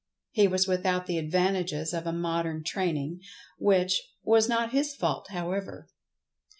He was without the advantages of a modern training—which, was not his fault, however.